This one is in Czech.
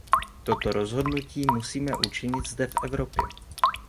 Toto rozhodnutí musíme učinit zde v Evropě.